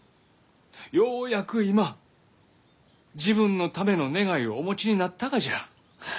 ようやく今自分のための願いをお持ちになったがじゃ！